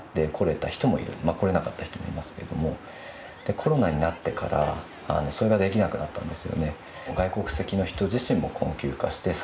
コロナになってからそれができなくなったんですよね。